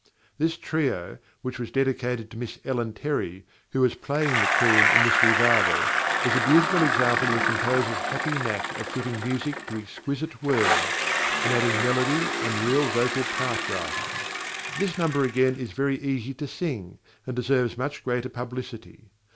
This trio, which was dedicated to Miss Ellen Terry, who was playing the Queen in this revival, is a beautiful example of the composer's happy knack of fitting music to exquisite words, and adding melody and real vocal part writing. This number again is very easy to sing, and deserves much greater publicity.